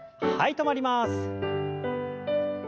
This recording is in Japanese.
止まります。